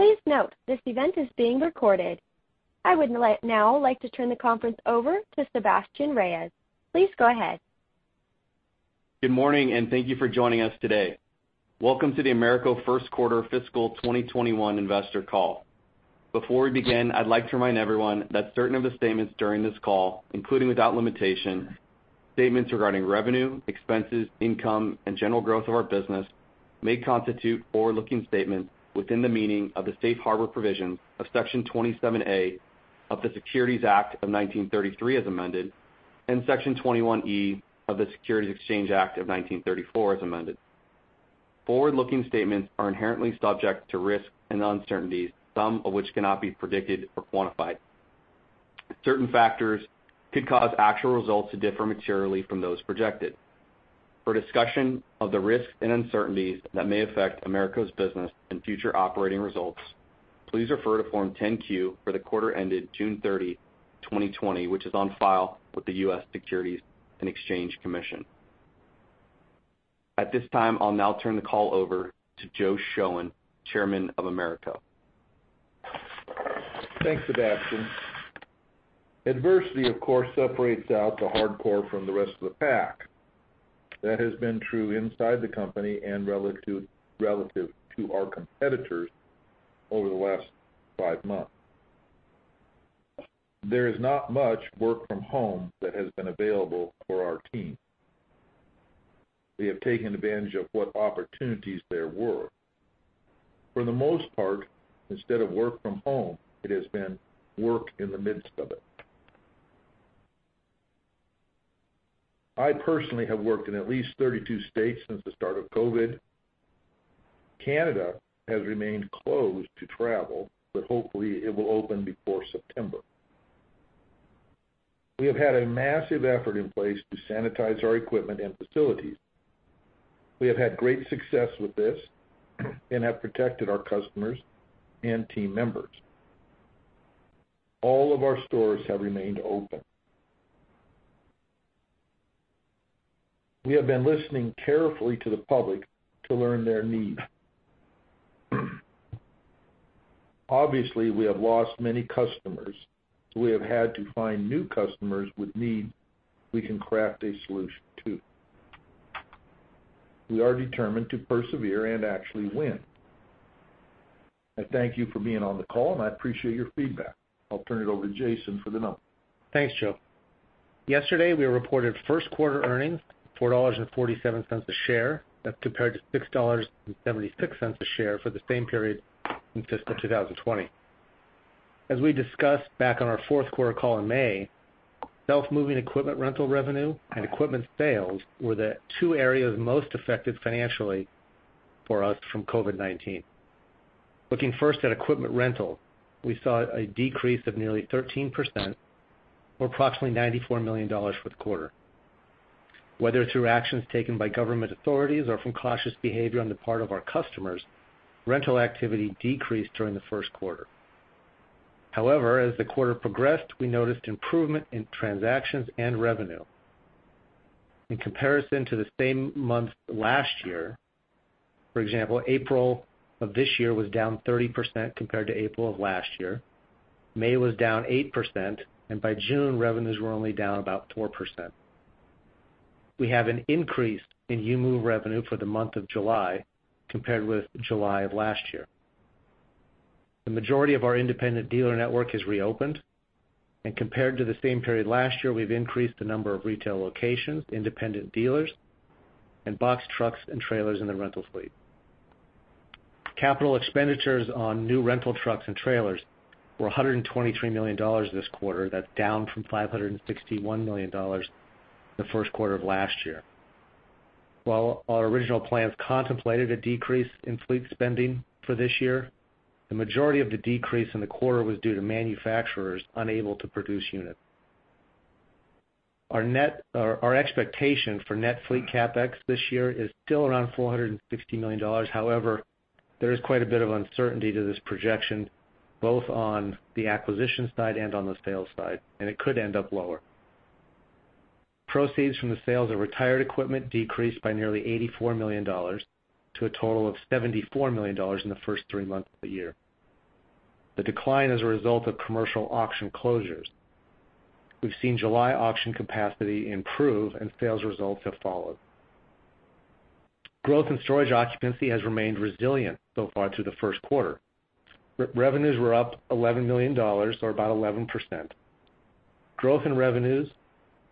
Please note, this event is being recorded. I would like now to turn the conference over to Sebastien Reyes. Please go ahead. Good morning, and thank you for joining us today. Welcome to the AMERCO First Quarter Fiscal 2021 Investor Call. Before we begin, I'd like to remind everyone that certain of the statements during this call, including without limitation, statements regarding revenue, expenses, income, and general growth of our business, may constitute forward-looking statements within the meaning of the safe harbor provisions of Section 27A of the Securities Act of 1933, as amended, and Section 21E of the Securities Exchange Act of 1934, as amended. Forward-looking statements are inherently subject to risks and uncertainties, some of which cannot be predicted or quantified. Certain factors could cause actual results to differ materially from those projected. For discussion of the risks and uncertainties that may affect AMERCO's business and future operating results, please refer to Form 10-Q for the quarter ended June thirty, 2020, which is on file with the U.S. Securities and Exchange Commission. At this time, I'll now turn the call over to Joe Shoen, Chairman of AMERCO. Thanks, Sebastien. Adversity, of course, separates out the hardcore from the rest of the pack. That has been true inside the company and relative to our competitors over the last five months. There is not much work from home that has been available for our team. We have taken advantage of what opportunities there were. For the most part, instead of work from home, it has been work in the midst of it. I personally have worked in at least 32 states since the start of COVID. Canada has remained closed to travel, but hopefully, it will open before September. We have had a massive effort in place to sanitize our equipment and facilities. We have had great success with this and have protected our customers and team members. All of our stores have remained open. We have been listening carefully to the public to learn their needs. Obviously, we have lost many customers, so we have had to find new customers with need we can craft a solution to. We are determined to persevere and actually win. I thank you for being on the call, and I appreciate your feedback. I'll turn it over to Jason for the numbers. Thanks, Joe. Yesterday, we reported first-quarter earnings, $4.47 a share. That's compared to $6.76 a share for the same period in fiscal 2020. As we discussed back on our fourth-quarter call in May, self-moving equipment rental revenue and equipment sales were the two areas most affected financially for us from COVID-19. Looking first at equipment rental, we saw a decrease of nearly 13%, or approximately $94 million for the quarter. Whether through actions taken by government authorities or from cautious behavior on the part of our customers, rental activity decreased during the first quarter. However, as the quarter progressed, we noticed improvement in transactions and revenue. In comparison to the same month last year, for example, April of this year was down 30% compared to April of last year. May was down 8%, and by June, revenues were only down about 4%. We have an increase in U-Move revenue for the month of July compared with July of last year. The majority of our independent dealer network has reopened, and compared to the same period last year, we've increased the number of retail locations, independent dealers, and box trucks and trailers in the rental fleet. Capital expenditures on new rental trucks and trailers were $123 million this quarter. That's down from $561 million the first quarter of last year. While our original plans contemplated a decrease in fleet spending for this year, the majority of the decrease in the quarter was due to manufacturers unable to produce units. Our expectation for net fleet CapEx this year is still around $460 million. However, there is quite a bit of uncertainty to this projection, both on the acquisition side and on the sales side, and it could end up lower. Proceeds from the sales of retired equipment decreased by nearly $84 million, to a total of $74 million in the first three months of the year. The decline is a result of commercial auction closures. We've seen July auction capacity improve and sales results have followed. Growth in storage occupancy has remained resilient so far through the first quarter. Revenues were up $11 million, or about 11%. Growth in revenues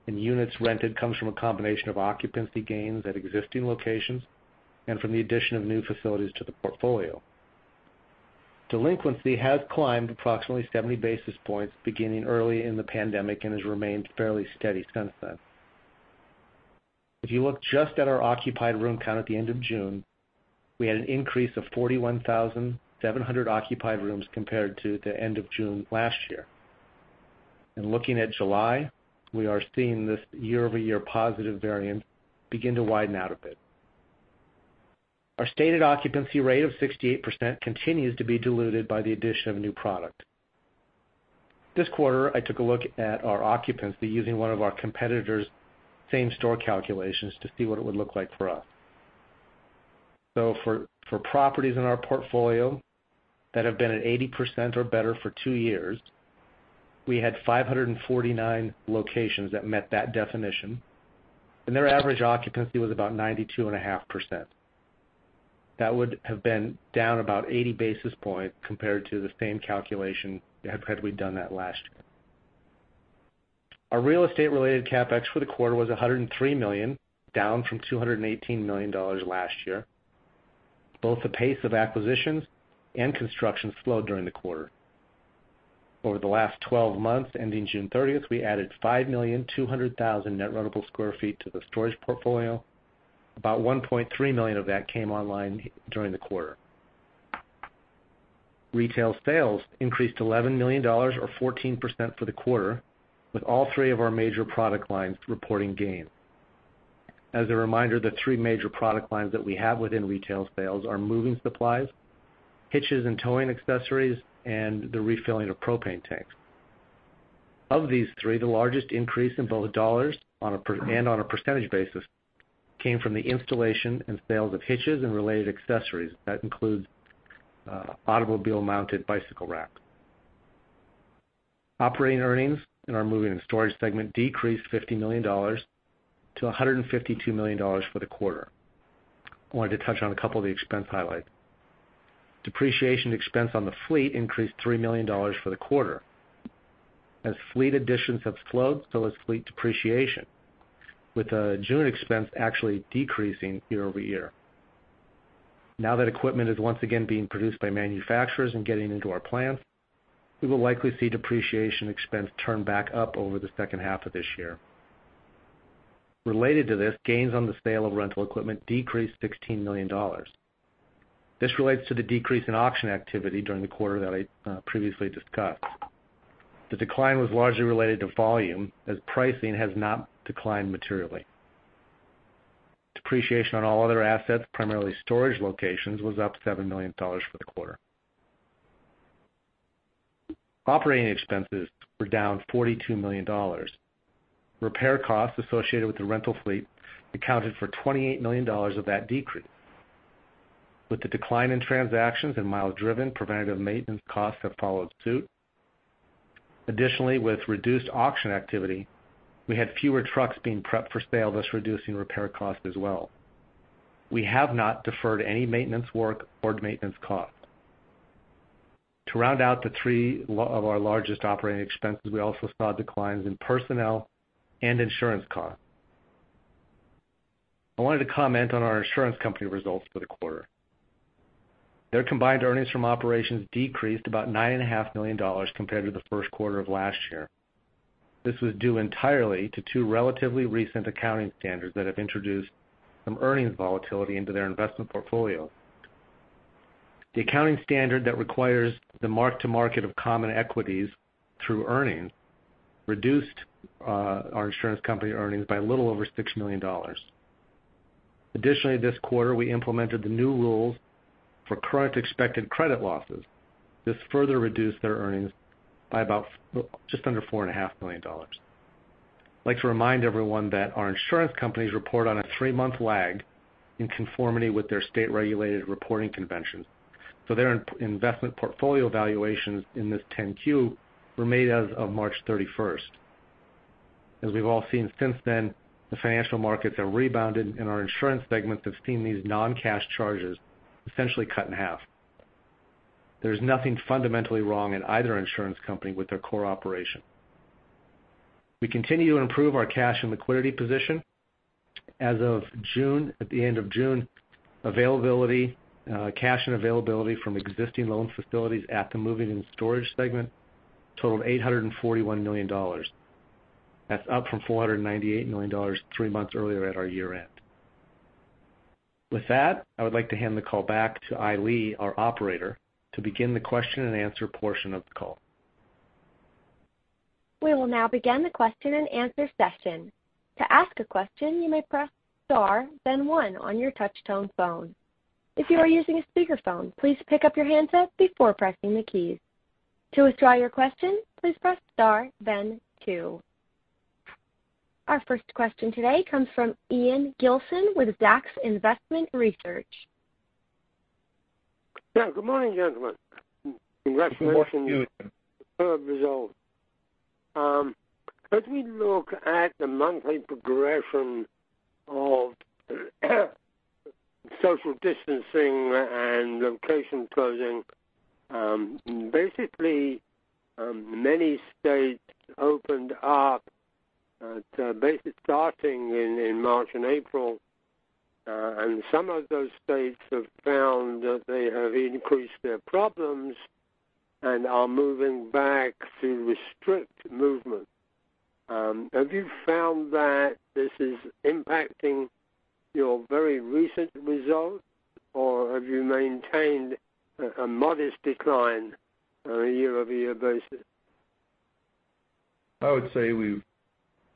and units rented comes from a combination of occupancy gains at existing locations and from the addition of new facilities to the portfolio. Delinquency has climbed approximately 70 basis points beginning early in the pandemic and has remained fairly steady since then. If you look just at our occupied room count at the end of June, we had an increase of 41,700 occupied rooms compared to the end of June last year. And looking at July, we are seeing this year-over-year positive variance begin to widen out a bit. Our stated occupancy rate of 68% continues to be diluted by the addition of new product.... This quarter, I took a look at our occupancy using one of our competitors' same-store calculations to see what it would look like for us. So for properties in our portfolio that have been at 80% or better for two years, we had 549 locations that met that definition, and their average occupancy was about 92.5%. That would have been down about 80 basis points compared to the same calculation had we done that last year. Our real estate-related CapEx for the quarter was $103 million, down from $218 million last year. Both the pace of acquisitions and construction slowed during the quarter. Over the last 12 months, ending June thirtieth, we added 5.2 million net rentable sq ft to the storage portfolio. About 1.3 million of that came online during the quarter. Retail sales increased $11 million or 14% for the quarter, with all three of our major product lines reporting gain. As a reminder, the three major product lines that we have within retail sales are moving supplies, hitches and towing accessories, and the refilling of propane tanks. Of these three, the largest increase in both dollars on a per- and on a percentage basis came from the installation and sales of hitches and related accessories. That includes automobile-mounted bicycle rack. Operating earnings in our moving and storage segment decreased $50 million to $152 million for the quarter. I wanted to touch on a couple of the expense highlights. Depreciation expense on the fleet increased $3 million for the quarter. As fleet additions have slowed, so has fleet depreciation, with the June expense actually decreasing year over year. Now that equipment is once again being produced by manufacturers and getting into our plants, we will likely see depreciation expense turn back up over the second half of this year. Related to this, gains on the sale of rental equipment decreased $16 million. This relates to the decrease in auction activity during the quarter that I previously discussed. The decline was largely related to volume, as pricing has not declined materially. Depreciation on all other assets, primarily storage locations, was up $7 million for the quarter. Operating expenses were down $42 million. Repair costs associated with the rental fleet accounted for $28 million of that decrease. With the decline in transactions and miles driven, preventative maintenance costs have followed suit. Additionally, with reduced auction activity, we had fewer trucks being prepped for sale, thus reducing repair costs as well. We have not deferred any maintenance work or maintenance costs. To round out the three of our largest operating expenses, we also saw declines in personnel and insurance costs. I wanted to comment on our insurance company results for the quarter. Their combined earnings from operations decreased about $9.5 million compared to the first quarter of last year. This was due entirely to two relatively recent accounting standards that have introduced some earnings volatility into their investment portfolio. The accounting standard that requires the mark-to-market of common equities through earnings reduced our insurance company earnings by a little over $6 million. Additionally, this quarter, we implemented the new rules for current expected credit losses. This further reduced their earnings by about just under $4.5 million. I'd like to remind everyone that our insurance companies report on a three-month lag in conformity with their state-regulated reporting conventions, so their investment portfolio valuations in this 10-Q were made as of March thirty-first. As we've all seen since then, the financial markets have rebounded, and our insurance segment have seen these non-cash charges essentially cut in half. There's nothing fundamentally wrong in either insurance company with their core operation. We continue to improve our cash and liquidity position. As of June, at the end of June, availability, cash and availability from existing loan facilities at the moving and storage segment totaled $841 million. That's up from $498 million three months earlier at our year-end. With that, I would like to hand the call back to Ai Lee, our operator, to begin the question and answer portion of the call. We will now begin the question-and-answer session. To ask a question, you may press star, then one on your touchtone phone. If you are using a speakerphone, please pick up your handset before pressing the keys. To withdraw your question, please press star, then two. Our first question today comes from Ian Gilson with Zacks Investment Research. Yeah, good morning, gentlemen. Congratulations- Good morning, Ian. superb results. As we look at the monthly progression of social distancing and location closing, basically, many states opened up, basically starting in March and April, and some of those states have found that they have increased their problems and are moving back to restrict movement. Have you found that this is impacting your very recent results, or have you maintained a modest decline on a year-over-year basis? I would say we've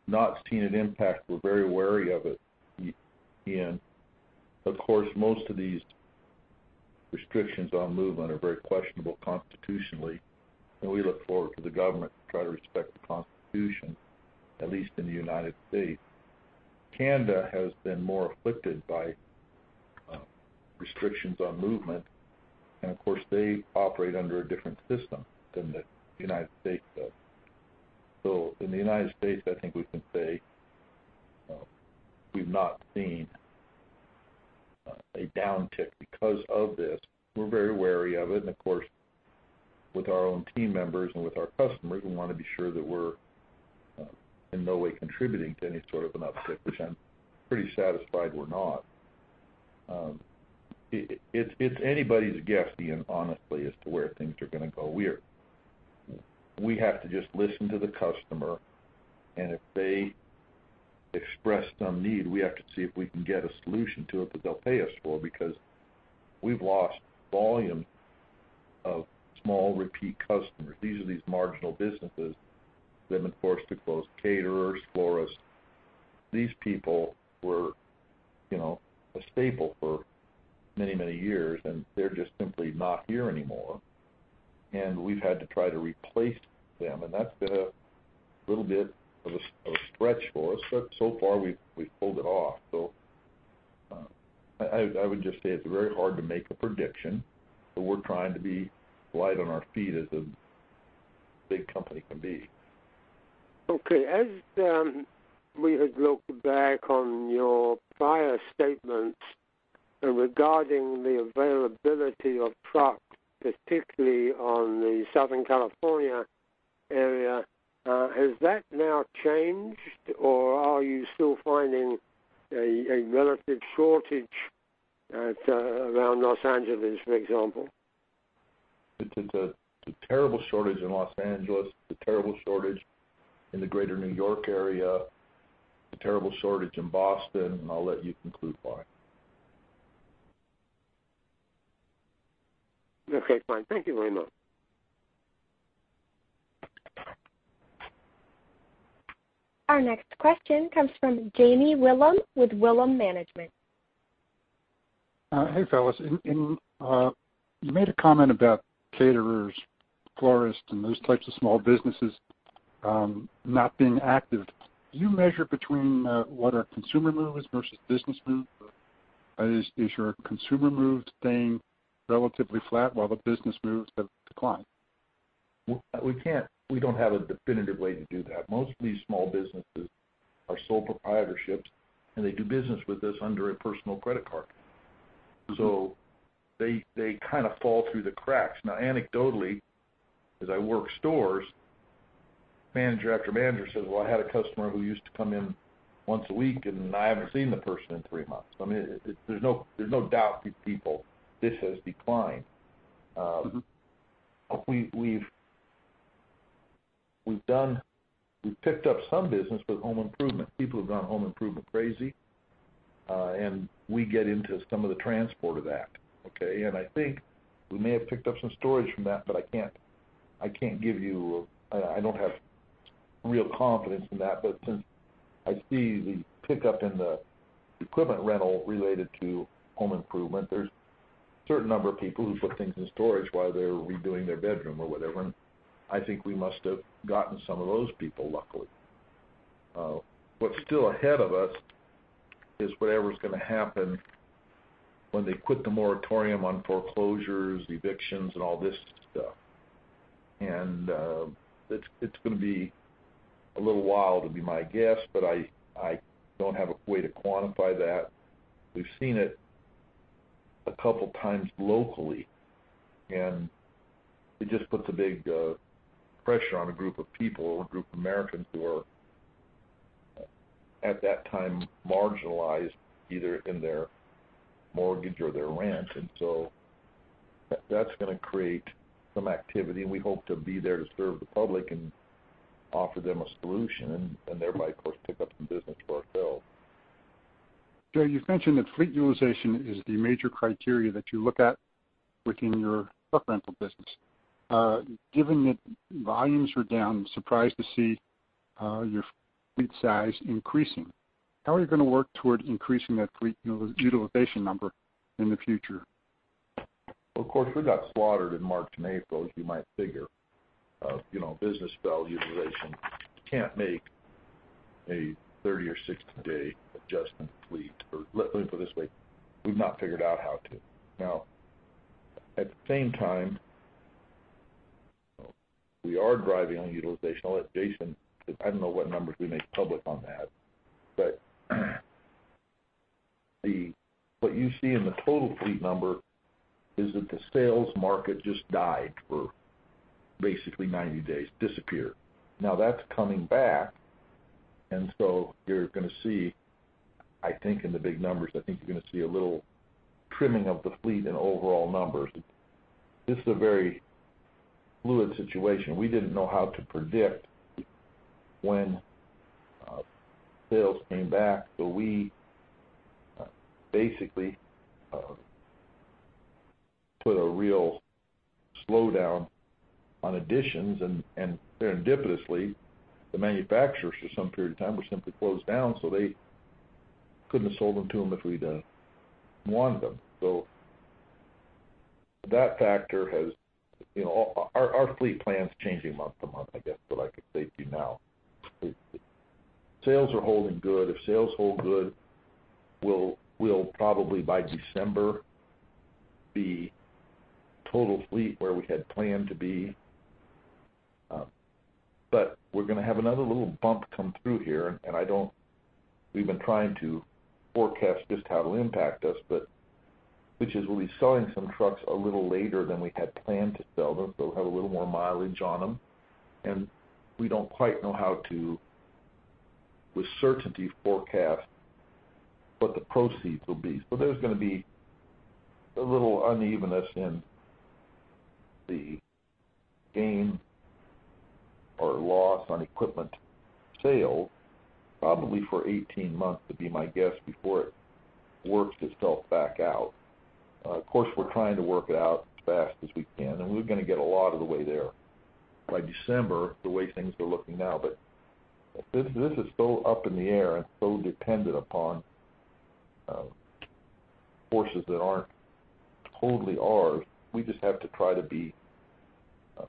not seen an impact. We're very wary of it, Ian. Of course, most of these-... restrictions on movement are very questionable constitutionally, and we look forward to the government to try to respect the Constitution, at least in the United States. Canada has been more afflicted by restrictions on movement, and of course, they operate under a different system than the United States does. So in the United States, I think we can say we've not seen a downtick because of this. We're very wary of it, and of course, with our own team members and with our customers, we want to be sure that we're in no way contributing to any sort of an uptick, which I'm pretty satisfied we're not. It's anybody's guess, Ian, honestly, as to where things are going to go. We have to just listen to the customer, and if they express some need, we have to see if we can get a solution to it that they'll pay us for, because we've lost volume of small repeat customers. These are marginal businesses that have been forced to close: caterers, florists. These people were, you know, a staple for many, many years, and they're just simply not here anymore, and we've had to try to replace them, and that's been a little bit of a stretch for us, but so far, we've pulled it off. So, I would just say it's very hard to make a prediction, but we're trying to be light on our feet as a big company can be. Okay. As we had looked back on your prior statements regarding the availability of trucks, particularly on the Southern California area, has that now changed, or are you still finding a relative shortage at around Los Angeles, for example? It's a terrible shortage in Los Angeles, a terrible shortage in the greater New York area, a terrible shortage in Boston, and I'll let you conclude why. Okay, fine. Thank you very much. Our next question comes from Jamie Wilen with Wilen Management. Hey, fellas. You made a comment about caterers, florists, and those types of small businesses not being active. Do you measure between what are consumer moves versus business moves? Is your consumer move staying relatively flat while the business moves have declined? We can't. We don't have a definitive way to do that. Most of these small businesses are sole proprietorships, and they do business with us under a personal credit card. So they kind of fall through the cracks. Now, anecdotally, as I work stores, manager after manager says, "Well, I had a customer who used to come in once a week, and I haven't seen the person in three months." I mean, there's no doubt with people, this has declined. Mm-hmm. We've done. We've picked up some business with home improvement. People have gone home improvement crazy, and we get into some of the transport of that, okay? And I think we may have picked up some storage from that, but I can't give you, I don't have real confidence in that. But since I see the pickup in the equipment rental related to home improvement, there's a certain number of people who put things in storage while they're redoing their bedroom or whatever, and I think we must have gotten some of those people, luckily. What's still ahead of us is whatever's going to happen when they quit the moratorium on foreclosures, evictions, and all this stuff. And it's going to be a little while, would be my guess, but I don't have a way to quantify that. We've seen it a couple times locally, and it just puts a big pressure on a group of people or a group of Americans who are, at that time, marginalized either in their mortgage or their rent. And so that's going to create some activity, and we hope to be there to serve the public and offer them a solution and thereby, of course, pick up some business for ourselves. Jay, you've mentioned that fleet utilization is the major criteria that you look at within your truck rental business. Given that volumes are down, I'm surprised to see your fleet size increasing. How are you going to work toward increasing that fleet utilization number in the future? Of course, we got slaughtered in March and April, as you might figure. You know, business value utilization can't make a thirty or sixty-day adjustment fleet. Or let me put it this way: We've not figured out how to. Now, at the same time, we are driving on utilization. I'll let Jason... I don't know what numbers we made public on that, but what you see in the total fleet number is that the sales market just died for basically ninety days, disappeared. Now, that's coming back, and so you're going to see, I think, in the big numbers, I think you're going to see a little trimming of the fleet in overall numbers. This is a very fluid situation. We didn't know how to predict when sales came back, so we basically put a real-... Slow down on additions, and serendipitously, the manufacturers for some period of time were simply closed down, so they couldn't have sold them to them if we'd wanted them. So that factor has, you know, our fleet plan's changing month to month, I guess, what I could say to you now. Sales are holding good. If sales hold good, we'll probably by December be total fleet where we had planned to be. But we're gonna have another little bump come through here, and I don't, we've been trying to forecast just how it'll impact us, but which is we'll be selling some trucks a little later than we had planned to sell them, so we'll have a little more mileage on them. And we don't quite know how to, with certainty, forecast what the proceeds will be. So there's gonna be a little unevenness in the gain or loss on equipment sale, probably for eighteen months, would be my guess, before it works itself back out. Of course, we're trying to work it out as fast as we can, and we're gonna get a lot of the way there. By December, the way things are looking now. But this is so up in the air and so dependent upon forces that aren't totally ours. We just have to try to be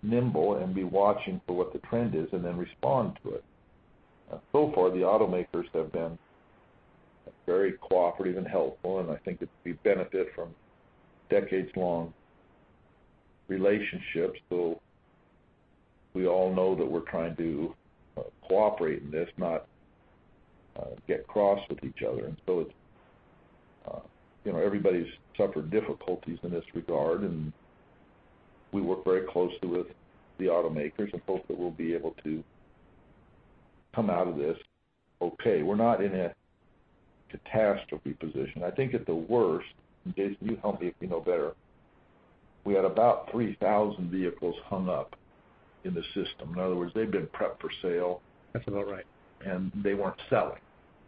nimble and be watching for what the trend is and then respond to it. So far, the automakers have been very cooperative and helpful, and I think it's the benefit from decades-long relationships. So we all know that we're trying to cooperate in this, not get cross with each other. And so it's, you know, everybody's suffered difficulties in this regard, and we work very closely with the automakers, and hopefully, we'll be able to come out of this okay. We're not in a catastrophe position. I think at the worst, and Jason, you help me if you know better, we had about three thousand vehicles hung up in the system. In other words, they've been prepped for sale. That's about right. And they weren't selling.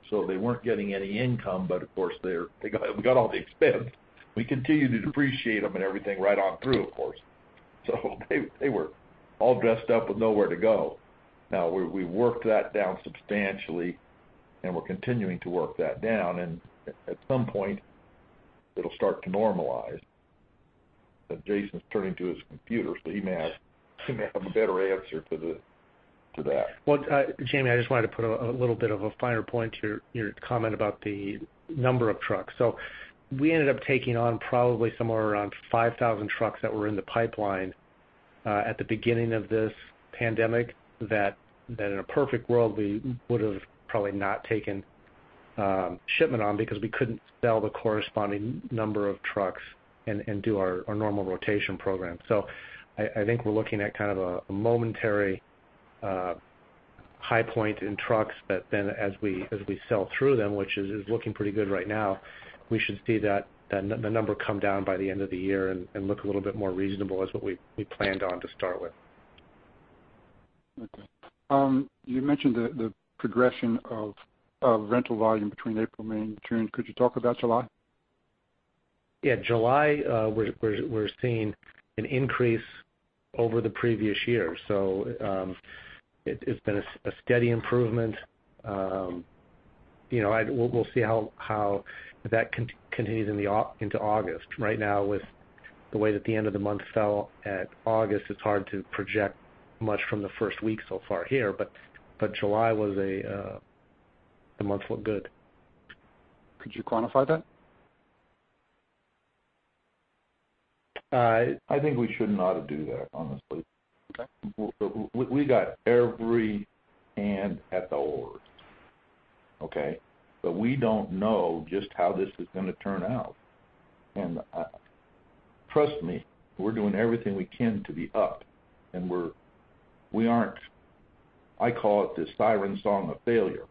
So they weren't getting any income, but of course, they're - they got, we got all the expense. We continued to depreciate them and everything right on through, of course. So they, they were all dressed up with nowhere to go. Now, we, we worked that down substantially, and we're continuing to work that down, and at, at some point, it'll start to normalize. But Jason's turning to his computer, so he may have, he may have a better answer to the, to that. Well, Jamie, I just wanted to put a little bit of a finer point to your comment about the number of trucks. So we ended up taking on probably somewhere around five thousand trucks that were in the pipeline at the beginning of this pandemic, that in a perfect world, we would've probably not taken shipment on because we couldn't sell the corresponding number of trucks and do our normal rotation program. So I think we're looking at kind of a momentary high point in trucks, but then as we sell through them, which is looking pretty good right now, we should see that the number come down by the end of the year and look a little bit more reasonable as what we planned on to start with. Okay. You mentioned the progression of rental volume between April, May, and June. Could you talk about July? Yeah, July, we're seeing an increase over the previous year. So, it's been a steady improvement. You know, we'll see how that continues into August. Right now, with the way that the end of the month fell at August, it's hard to project much from the first week so far here, but July was a, the month looked good. Could you quantify that? I think we shouldn't ought to do that, honestly. Okay. We got every hand at the oar, okay? But we don't know just how this is gonna turn out. And, trust me, we're doing everything we can to be up, and we're... we aren't... I call it the siren song of failure.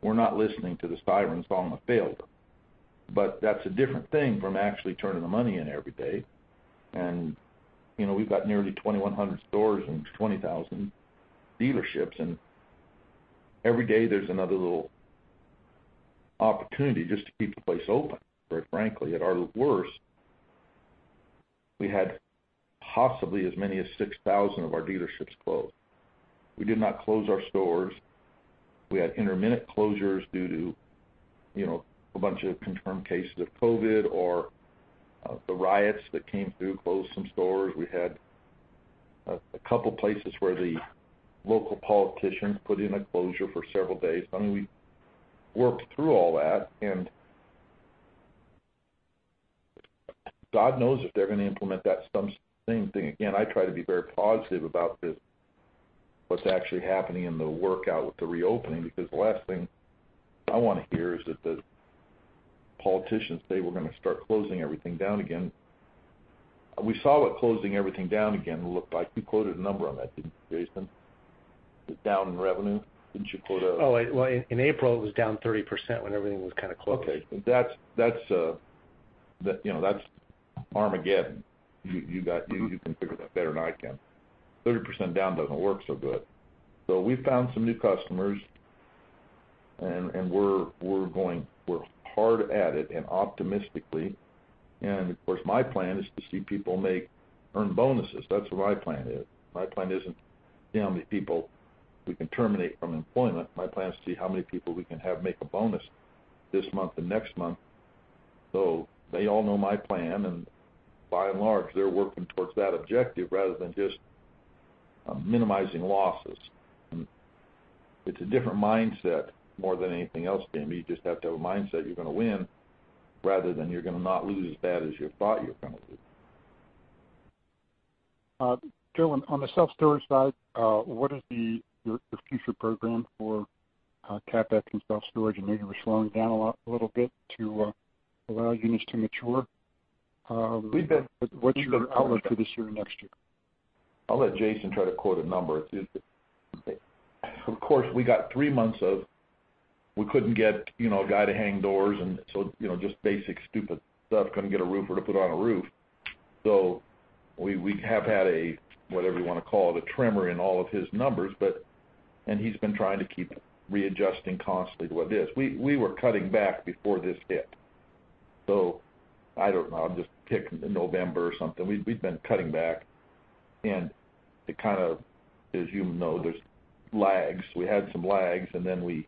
We're not listening to the siren song of failure, but that's a different thing from actually turning the money in every day. And, you know, we've got nearly 2,100 stores and 20,000 dealerships, and every day there's another little opportunity just to keep the place open, very frankly. At our worst, we had possibly as many as 6,000 of our dealerships closed. We did not close our stores. We had intermittent closures due to, you know, a bunch of confirmed cases of COVID, or, the riots that came through closed some stores. We had a couple places where the local politicians put in a closure for several days. I mean, we worked through all that, and God knows if they're gonna implement that same thing again. I try to be very positive about this, what's actually happening in the workout with the reopening, because the last thing I want to hear is that the politicians say we're gonna start closing everything down again. We saw what closing everything down again looked like. You quoted a number on that, didn't you, Jason? The down in revenue. Didn't you quote a- Oh, well, in April, it was down 30% when everything was kind of closed. Okay. You know, that's Armageddon. You can figure that better than I can. 30% down doesn't work so good. So we found some new customers. And we're hard at it and optimistically, and of course, my plan is to see people earn bonuses. That's what my plan is. My plan isn't, you know, how many people we can terminate from employment. My plan is to see how many people we can have make a bonus this month and next month. So they all know my plan, and by and large, they're working towards that objective rather than just minimizing losses. And it's a different mindset more than anything else, Jamie. You just have to have a mindset you're gonna win rather than you're gonna not lose as bad as you thought you were gonna lose. Joe, on the self-storage side, what is your future program for CapEx and self-storage? And maybe we're slowing down a lot- a little bit to allow units to mature. We've been- What's your outlook for this year or next year? I'll let Jason try to quote a number. It's. Of course, we got three months of we couldn't get, you know, a guy to hang doors, and so, you know, just basic, stupid stuff. Couldn't get a roofer to put on a roof. So we have had a, whatever you wanna call it, a tremor in all of his numbers, but and he's been trying to keep readjusting constantly with this. We were cutting back before this hit, so I don't know, I'll just pick November or something. We've been cutting back, and it kind of, as you know, there's lags. We had some lags, and then we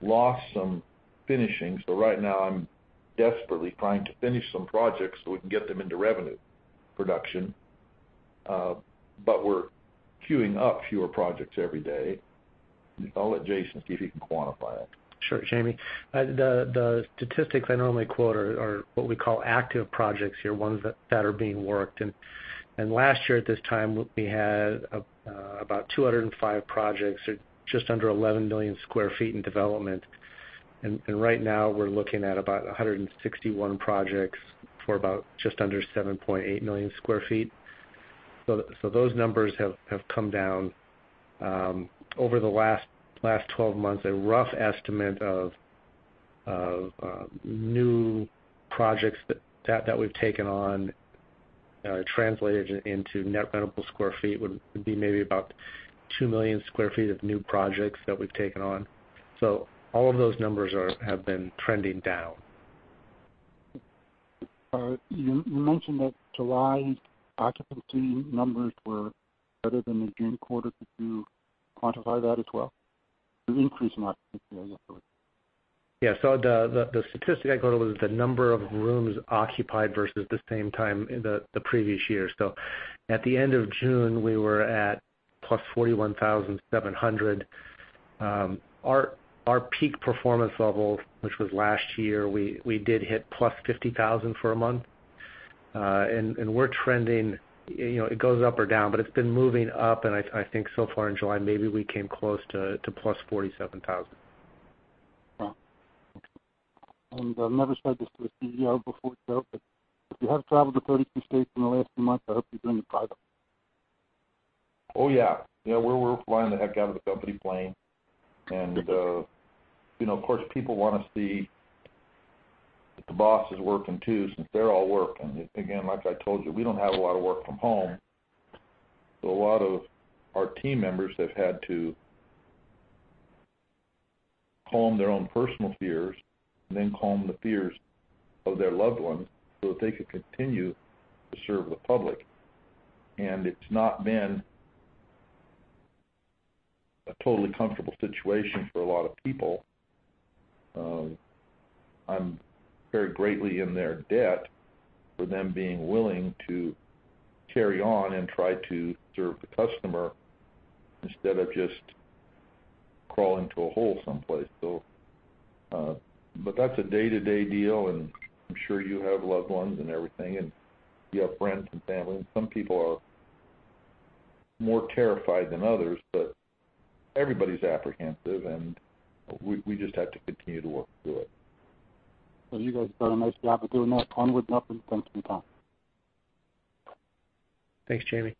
lost some finishing. So right now, I'm desperately trying to finish some projects so we can get them into revenue production. But we're queuing up fewer projects every day. I'll let Jason see if he can quantify it. Sure, Jamie. The statistics I normally quote are what we call active projects here, ones that are being worked. And last year, at this time, we had about 205 projects, or just under 11 million sq ft in development. And right now, we're looking at about 161 projects for about just under 7.8 million sq ft. So those numbers have come down over the last twelve months. A rough estimate of new projects that we've taken on, translated into net rentable sq ft would be maybe about 2 million sq ft of new projects that we've taken on. So all of those numbers have been trending down. You mentioned that July occupancy numbers were better than the June quarter. Could you quantify that as well? You increased occupancy, I guess. Yeah. So the statistic I quoted was the number of rooms occupied versus the same time in the previous year. So at the end of June, we were at plus forty-one thousand seven hundred. Our peak performance level, which was last year, we did hit plus fifty thousand for a month. And we're trending, you know, it goes up or down, but it's been moving up, and I think so far in July, maybe we came close to plus forty-seven thousand. Wow! And I've never said this to a CEO before, Joe, but if you have traveled to thirty-two states in the last month, I hope you're doing it privately. Oh, yeah. Yeah, we're flying the heck out of the company plane. And, you know, of course, people wanna see that the boss is working, too, since they're all working. Again, like I told you, we don't have a lot of work from home, so a lot of our team members have had to calm their own personal fears and then calm the fears of their loved ones so that they could continue to serve the public. And it's not been a totally comfortable situation for a lot of people. I'm very grateful in their debt for them being willing to carry on and try to serve the customer instead of just crawl into a hole someplace. So, but that's a day-to-day deal, and I'm sure you have loved ones and everything, and you have friends and family. Some people are more terrified than others, but everybody's apprehensive, and we just have to continue to work through it. You guys done a nice job of doing that. On with nothing, thanks for your time. Thanks, Jamie.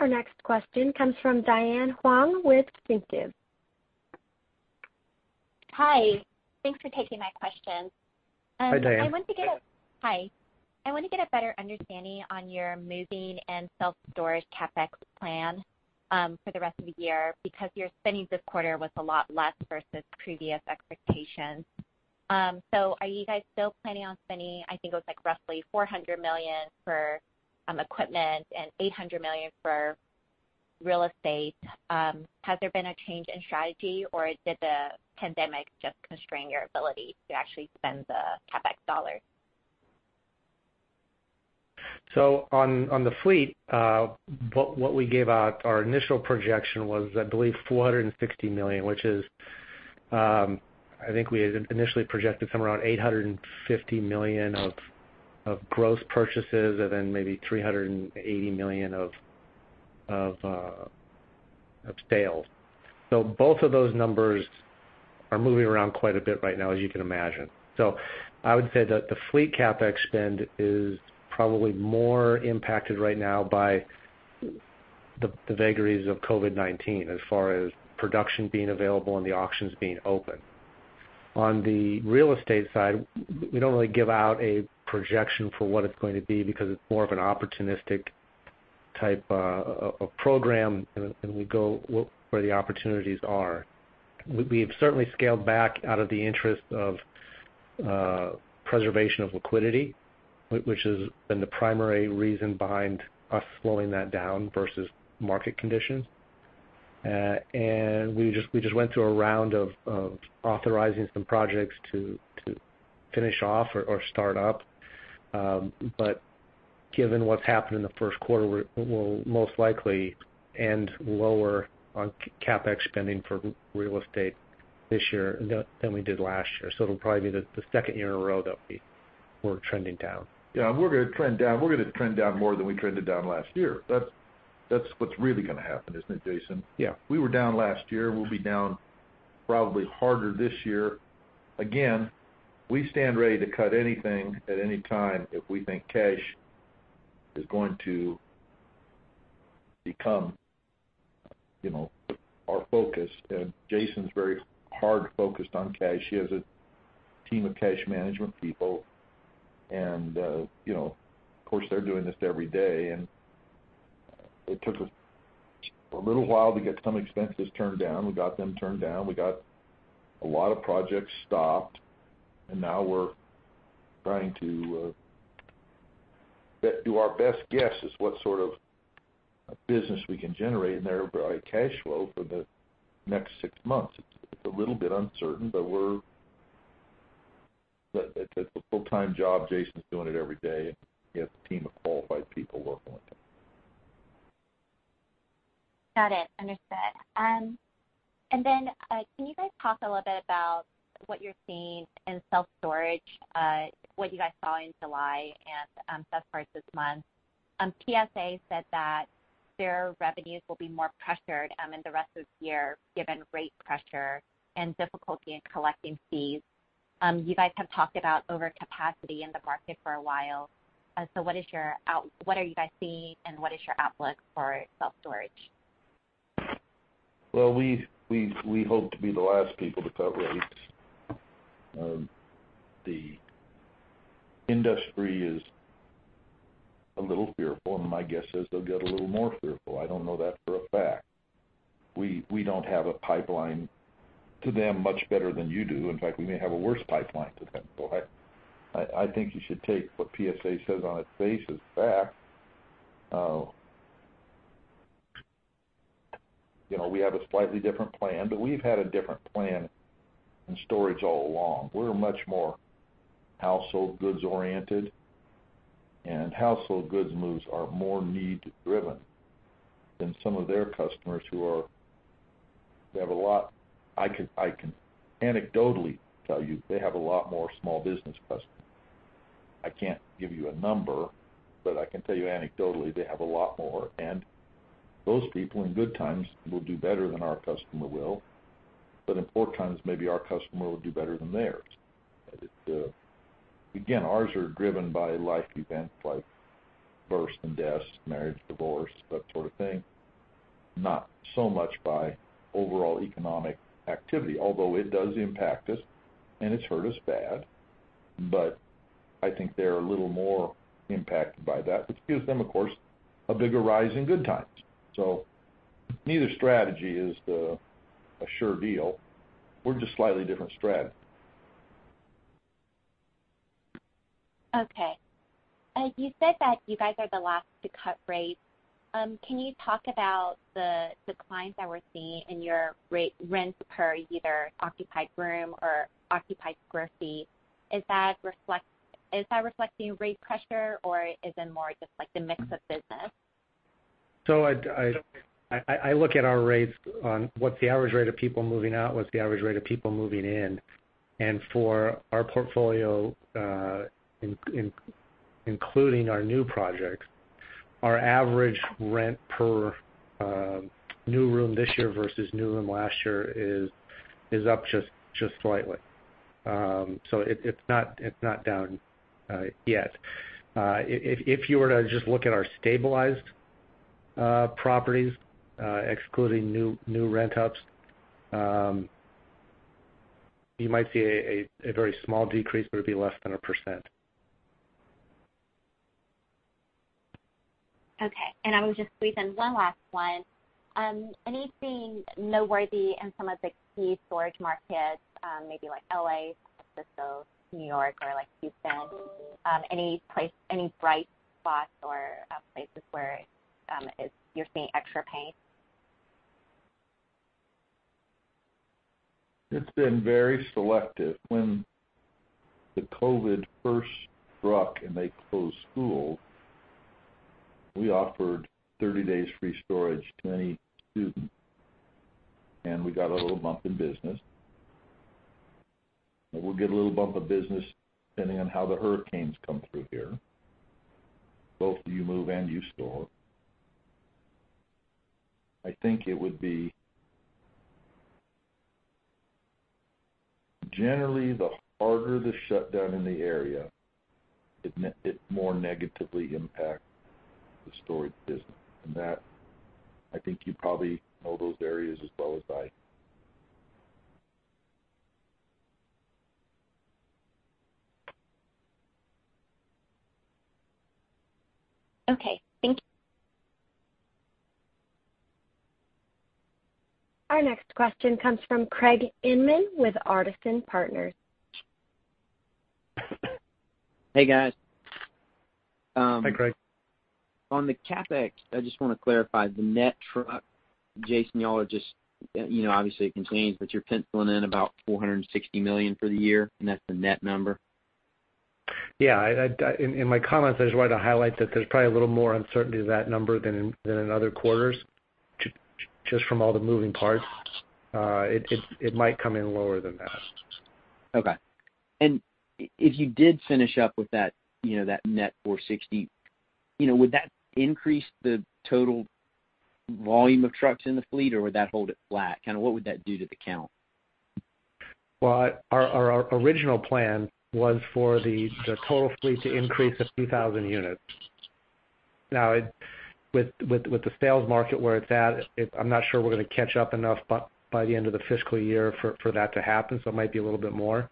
Our next question comes from Diane Huang with ThinkEquity. Hi, thanks for taking my question. Hi, Diane. I want to get a better understanding on your moving and self-storage CapEx plan, for the rest of the year, because your spending this quarter was a lot less versus previous expectations. So, are you guys still planning on spending, I think, it was, like, roughly $400 million for equipment and $800 million for real estate? Has there been a change in strategy, or did the pandemic just constrain your ability to actually spend the CapEx dollars? On the fleet, what we gave out, our initial projection was, I believe, $460 million, which is, I think we had initially projected somewhere around $850 million of gross purchases and then maybe $380 million of sales. Both of those numbers are moving around quite a bit right now, as you can imagine. I would say that the fleet CapEx spend is probably more impacted right now by the vagaries of COVID-19 as far as production being available and the auctions being open. On the real estate side, we don't really give out a projection for what it's going to be because it's more of an opportunistic type of program, and we go where the opportunities are. We've certainly scaled back out of the interest of preservation of liquidity, which has been the primary reason behind us slowing that down versus market conditions, and we just went through a round of authorizing some projects to finish off or start up, but given what's happened in the first quarter, we'll most likely end lower on CapEx spending for real estate this year than we did last year, so it'll probably be the second year in a row that we're trending down. Yeah, we're gonna trend down. We're gonna trend down more than we trended down last year. That's, that's what's really gonna happen, isn't it, Jason? Yeah. We were down last year. We'll be down probably harder this year. Again, we stand ready to cut anything at any time if we think cash is going to become, you know, our focus. And Jason's very hard focused on cash. He has a team of cash management people and, you know, of course, they're doing this every day, and it took us a little while to get some expenses turned down. We got them turned down. We got a lot of projects stopped, and now we're trying to do our best guess as what sort of business we can generate in there by cash flow for the next six months. It's a little bit uncertain, but we're... It's a, it's a full-time job. Jason's doing it every day, and he has a team of qualified people working with him. Got it. Understood. And then, can you guys talk a little bit about what you're seeing in self-storage, what you guys saw in July and thus far this month? PSA said that their revenues will be more pressured, in the rest of the year, given rate pressure and difficulty in collecting fees. You guys have talked about overcapacity in the market for a while. So what are you guys seeing, and what is your outlook for self-storage? We hope to be the last people to cut rates. The industry is a little fearful, and my guess is they'll get a little more fearful. I don't know that for a fact. We don't have a pipeline to them much better than you do. In fact, we may have a worse pipeline to them. So I think you should take what PSA says on its face as fact. You know, we have a slightly different plan, but we've had a different plan in storage all along. We're much more household goods-oriented, and household goods moves are more need-driven than some of their customers who are. They have a lot. I can anecdotally tell you they have a lot more small business customers. I can't give you a number, but I can tell you anecdotally, they have a lot more. Those people, in good times, will do better than our customer will, but in poor times, maybe our customer will do better than theirs. Again, ours are driven by life events like births and deaths, marriage, divorce, that sort of thing. Not so much by overall economic activity, although it does impact us, and it's hurt us bad, but I think they're a little more impacted by that, which gives them, of course, a bigger rise in good times. So neither strategy is a sure deal. We're just slightly different strat. Okay. You said that you guys are the last to cut rates. Can you talk about the declines that we're seeing in your rents per either occupied room or occupied square feet? Is that reflecting rate pressure, or is it more just like the mix of business? I'd look at our rates on what's the average rate of people moving out, what's the average rate of people moving in. For our portfolio, including our new projects, our average rent per new room this year versus new room last year is up just slightly. It's not down yet. If you were to just look at our stabilized properties, excluding new rent ups, you might see a very small decrease, but it'd be less than 1%. Okay. And I would just squeeze in one last one. Anything noteworthy in some of the key storage markets, maybe like LA, San Francisco, New York, or like Houston? Any place, any bright spots or places where it's, you're seeing extra pain? It's been very selective. When the COVID first struck, and they closed schools, we offered thirty days free storage to any student, and we got a little bump in business. And we'll get a little bump of business depending on how the hurricanes come through here, both U-Move and U-Store. I think it would be generally, the harder the shutdown in the area, it more negatively impact the storage business. And that, I think you probably know those areas as well as I. Okay, thank you. Our next question comes from Craig Inman with Artisan Partners. Hey, guys. Hi, Craig. On the CapEx, I just want to clarify the net truck. Jason, you all are just, you know, obviously, it contains, but you're penciling in about $460 million for the year, and that's the net number? Yeah, in my comments, I just wanted to highlight that there's probably a little more uncertainty to that number than in other quarters, just from all the moving parts. It might come in lower than that. Okay. And if you did finish up with that, you know, that net 460, you know, would that increase the total volume of trucks in the fleet, or would that hold it flat? Kind of what would that do to the count? Our original plan was for the total fleet to increase a few thousand units. Now, with the sales market where it's at, I'm not sure we're going to catch up enough by the end of the fiscal year for that to happen, so it might be a little bit more.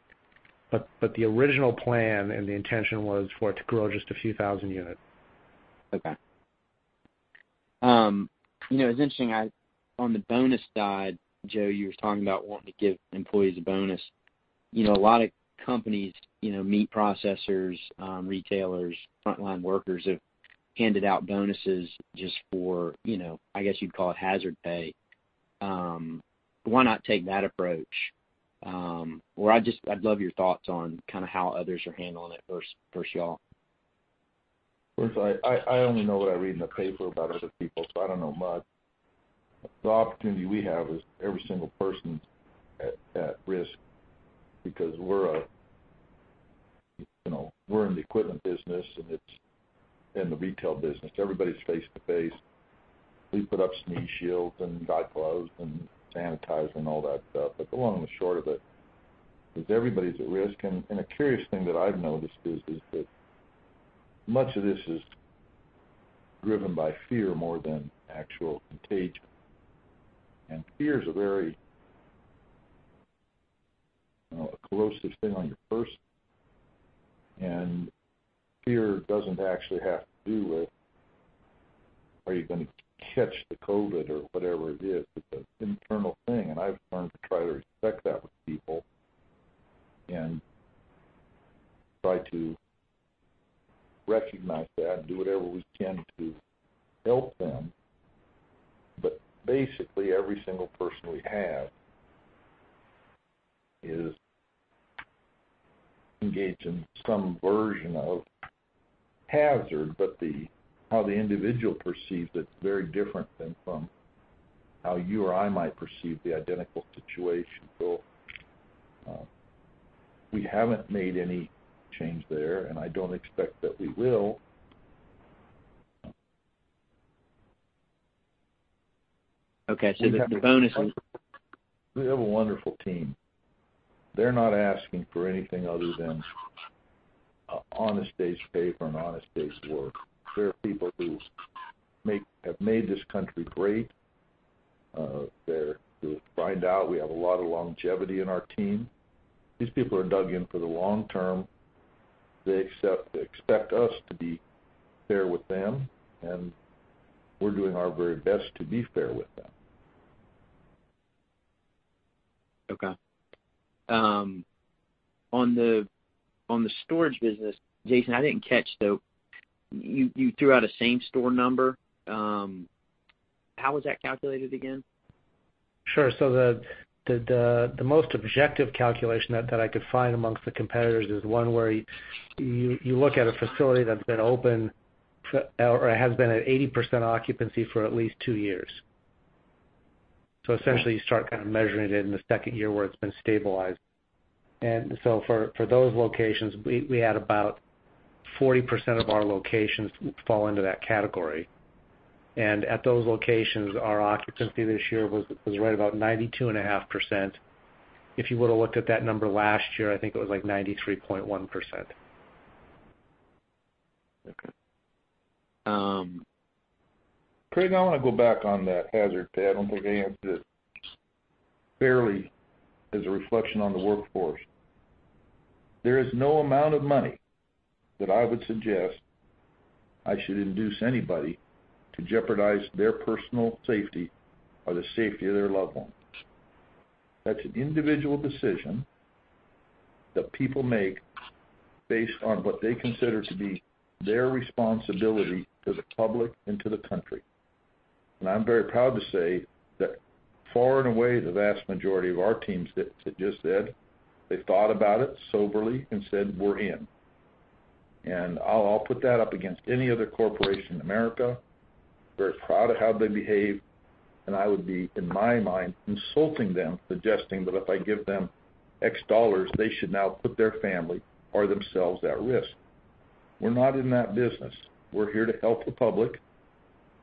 But the original plan and the intention was for it to grow just a few thousand units. Okay. You know, it's interesting, on the bonus side, Joe, you were talking about wanting to give employees a bonus. You know, a lot of companies, you know, meat processors, retailers, frontline workers, have handed out bonuses just for, you know, I guess you'd call it hazard pay. Why not take that approach? Well, I just, I'd love your thoughts on kind of how others are handling it versus y'all. Of course, I only know what I read in the paper about other people, so I don't know much. The opportunity we have is every single person at risk because we're you know, we're in the equipment business, and it's in the retail business. Everybody's face to face. We put up sneeze shields and gloves and sanitizer and all that stuff. But the long and short of it is everybody's at risk. And a curious thing that I've noticed is that much of this is driven by fear more than actual contagion. And fear is a very, you know, a corrosive thing on your person, and fear doesn't actually have to do with, are you going to catch the COVID or whatever it is? It's an internal thing, and I've learned to try to respect that with people and try to recognize that and do whatever we can to help them. But basically, every single person we have is engaged in some version of hazard, but the, how the individual perceives it is very different than from how you or I might perceive the identical situation. So, we haven't made any change there, and I don't expect that we will. Okay, so the bonus is- We have a wonderful team. They're not asking for anything other than an honest day's pay for an honest day's work. They're people who have made this country great. They're, if you find out, we have a lot of longevity in our team. These people are dug in for the long term. They expect us to be fair with them, and we're doing our very best to be fair with them. Okay. On the storage business, Jason, I didn't catch, though, you threw out a same store number. How was that calculated again? Sure. So the most objective calculation that I could find amongst the competitors is one where you look at a facility that's been open for, or has been at 80% occupancy for at least two years, so essentially, you start kind of measuring it in the second year where it's been stabilized, and so for those locations, we had about 40% of our locations fall into that category. And at those locations, our occupancy this year was right about 92.5%. If you would have looked at that number last year, I think it was like 93.1%. Okay, um- Craig, I want to go back on that hazard pay. I don't think I answered it fairly as a reflection on the workforce. There is no amount of money that I would suggest I should induce anybody to jeopardize their personal safety or the safety of their loved ones. That's an individual decision that people make based on what they consider to be their responsibility to the public and to the country. And I'm very proud to say that far and away, the vast majority of our teams that just said, they thought about it soberly and said, "We're in." And I'll put that up against any other corporation in America. Very proud of how they behaved, and I would be, in my mind, insulting them, suggesting that if I give them X dollars, they should now put their family or themselves at risk. We're not in that business. We're here to help the public.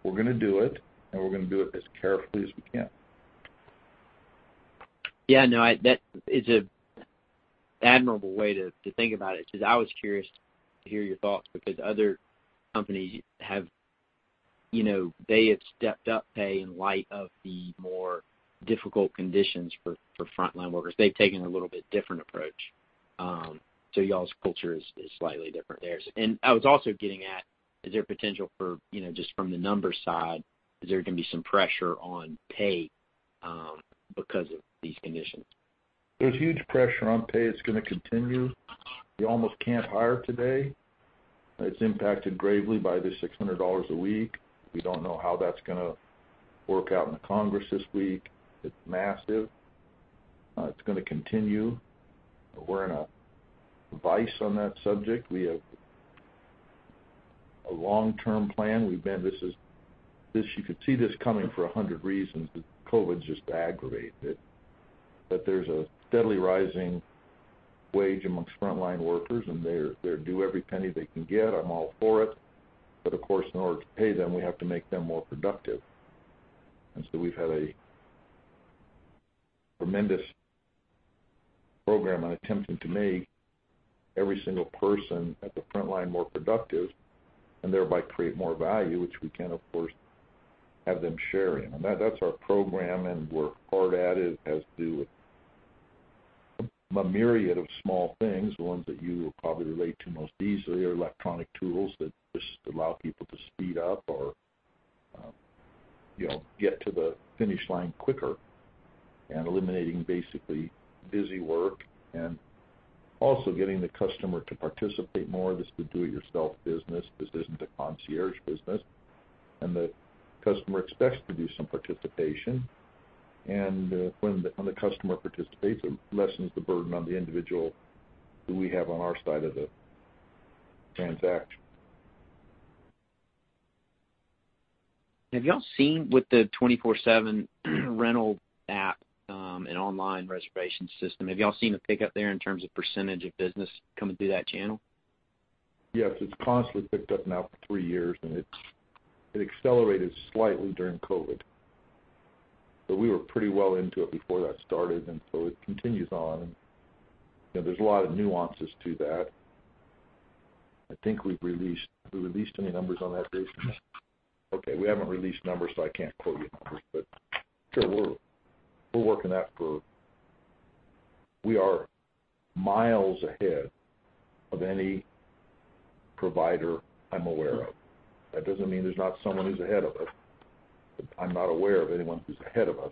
We're going to do it, and we're going to do it as carefully as we can.... Yeah, no, I, that is an admirable way to think about it, because I was curious to hear your thoughts, because other companies have, you know, they have stepped up pay in light of the more difficult conditions for frontline workers. They've taken a little bit different approach. So y'all's culture is slightly different there, and I was also getting at, is there potential for, you know, just from the numbers side, is there gonna be some pressure on pay because of these conditions? There's huge pressure on pay. It's gonna continue. You almost can't hire today. It's impacted gravely by the $600 a week. We don't know how that's gonna work out in the Congress this week. It's massive. It's gonna continue. We're in a vice on that subject. We have a long-term plan. We've been. This is, this you could see this coming for a hundred reasons, but COVID's just aggravated it. But there's a steadily rising wage amongst frontline workers, and they're due every penny they can get. I'm all for it. But of course, in order to pay them, we have to make them more productive. And so we've had a tremendous program on attempting to make every single person at the frontline more productive and thereby create more value, which we can, of course, have them share in. And that's our program, and we're hard at it as to a myriad of small things. Ones that you will probably relate to most easily are electronic tools that just allow people to speed up or, you know, get to the finish line quicker and eliminating basically busy work, and also getting the customer to participate more. This is a do-it-yourself business. This isn't a concierge business, and the customer expects to do some participation, and when the customer participates, it lessens the burden on the individual who we have on our side of the transaction. Have y'all seen with the 24/7 rental app, and online reservation system, have y'all seen a pickup there in terms of percentage of business coming through that channel? Yes, it's constantly picked up now for three years, and it's, it accelerated slightly during COVID. But we were pretty well into it before that started, and so it continues on. You know, there's a lot of nuances to that. I think we've released... Have we released any numbers on that, Jason? Okay, we haven't released numbers, so I can't quote you numbers, but sure, we're, we're working that for... We are miles ahead of any provider I'm aware of. That doesn't mean there's not someone who's ahead of us, but I'm not aware of anyone who's ahead of us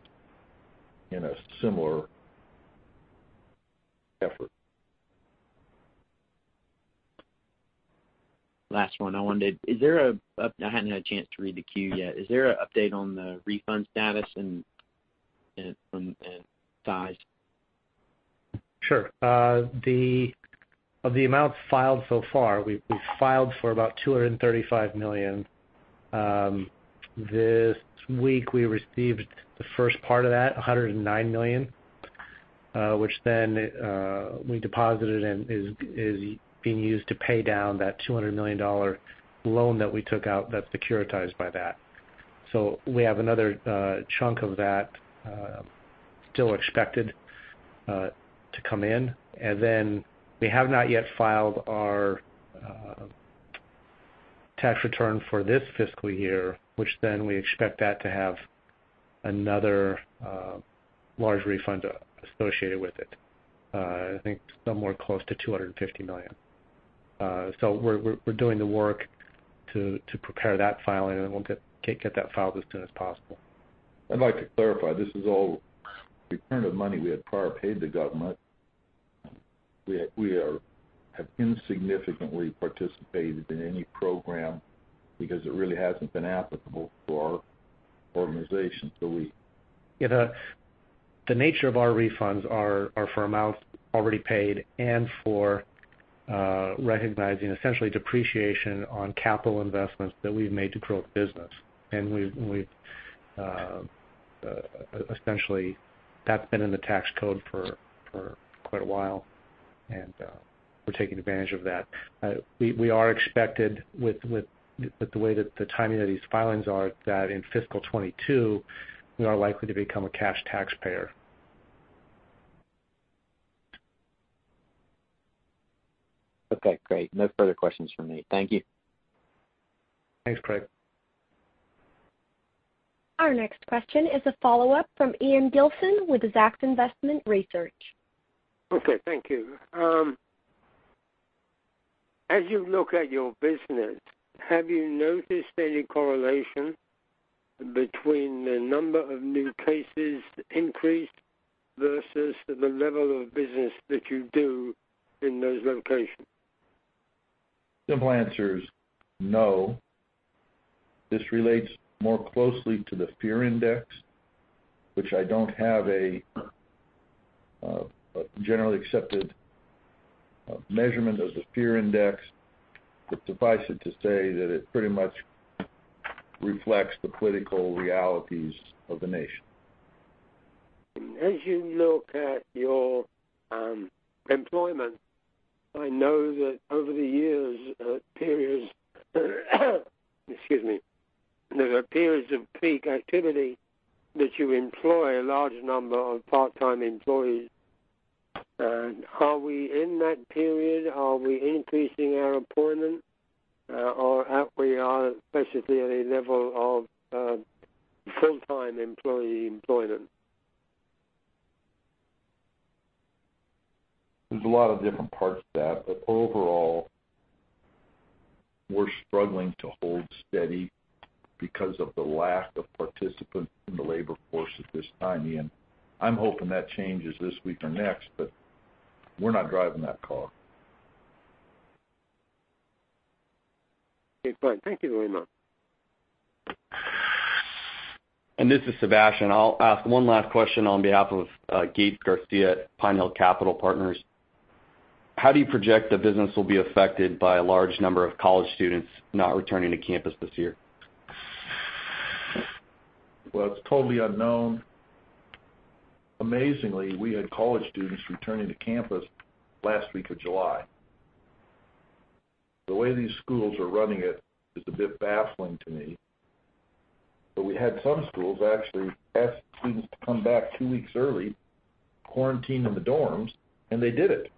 in a similar effort. Last one. I wondered, is there an update. I hadn't had a chance to read the queue yet. Is there an update on the refund status and size? Sure. Of the amounts filed so far, we've filed for about $235 million. This week, we received the first part of that, $109 million, which then we deposited and is being used to pay down that $200 million loan that we took out, that's securitized by that. So we have another chunk of that still expected to come in. And then we have not yet filed our tax return for this fiscal year, which then we expect that to have another large refund associated with it. I think somewhere close to $250 million. So we're doing the work to prepare that filing, and we'll get that filed as soon as possible. I'd like to clarify, this is all return of money we had previously paid the government. We have insignificantly participated in any program because it really hasn't been applicable for our organization, so we- Yeah, the nature of our refunds are for amounts already paid and for recognizing essentially depreciation on capital investments that we've made to grow the business. And we've essentially that's been in the tax code for quite a while, and we're taking advantage of that. We are expected with the way that the timing of these filings are, that in fiscal 2022, we are likely to become a cash taxpayer. Okay, great. No further questions from me. Thank you. Thanks, Craig. Our next question is a follow-up from Ian Gilson with Zacks Investment Research. Okay, thank you. As you look at your business, have you noticed any correlation between the number of new cases increased versus the level of business that you do in those locations? Simple answer is no. This relates more closely to the fear index, which I don't have a generally accepted measurement of the fear index, but suffice it to say that it pretty much reflects the political realities of the nation. I know that over the years, periods, excuse me, there are periods of peak activity that you employ a large number of part-time employees. Are we in that period? Are we increasing our employment, or are we basically at a level of full-time employee employment? There's a lot of different parts to that, but overall, we're struggling to hold steady because of the lack of participants in the labor force at this time, Ian. I'm hoping that changes this week or next, but we're not driving that car. Okay, fine. Thank you very much. This is Sebastian. I'll ask one last question on behalf of Keith Garcia at Pine Hill Capital Partners. How do you project the business will be affected by a large number of college students not returning to campus this year? It's totally unknown. Amazingly, we had college students returning to campus last week of July. The way these schools are running it is a bit baffling to me, but we had some schools actually ask students to come back two weeks early, quarantine in the dorms, and they did it,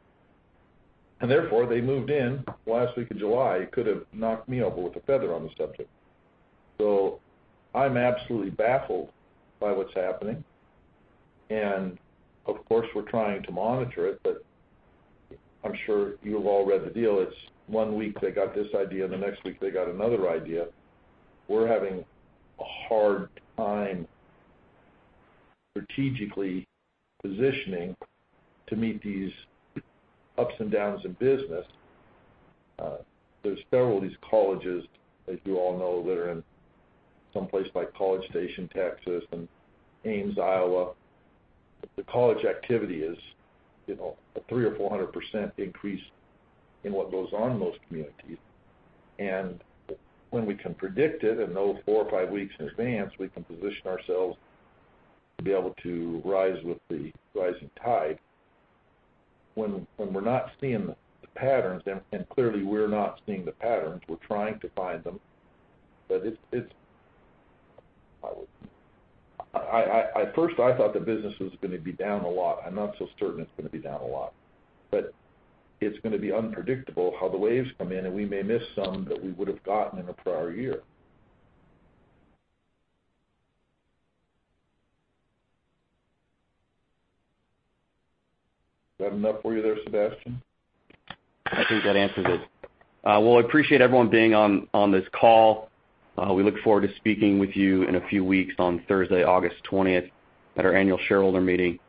and therefore they moved in last week of July. You could have knocked me over with a feather on the subject, so I'm absolutely baffled by what's happening, and, of course, we're trying to monitor it, but I'm sure you've all read the deal. It's one week they got this idea, and the next week they got another idea. We're having a hard time strategically positioning to meet these ups and downs in business. There's several of these colleges, as you all know, that are in some place like College Station, Texas, and Ames, Iowa. The college activity is, you know, a 300%-400% increase in what goes on in those communities. When we can predict it in those four or five weeks in advance, we can position ourselves to be able to rise with the rising tide. When we're not seeing the patterns, and clearly we're not seeing the patterns, we're trying to find them. But it's... I, at first, I thought the business was gonna be down a lot. I'm not so certain it's gonna be down a lot, but it's gonna be unpredictable how the waves come in, and we may miss some that we would have gotten in a prior year. Is that enough for you there, Sebastian? I think that answers it. Well, I appreciate everyone being on this call. We look forward to speaking with you in a few weeks on Thursday, August twentieth, at our annual shareholder meeting,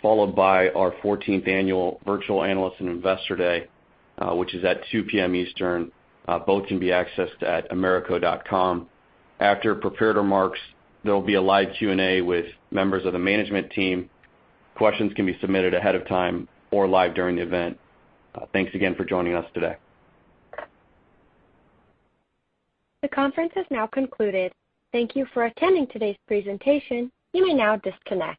followed by our fourteenth annual Virtual Analyst and Investor Day, which is at 2:00 P.M. Eastern. Both can be accessed at amerco.com. After prepared remarks, there will be a live Q&A with members of the management team. Questions can be submitted ahead of time or live during the event. Thanks again for joining us today. The conference has now concluded. Thank you for attending today's presentation. You may now disconnect.